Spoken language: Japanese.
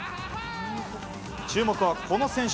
注目は、この選手。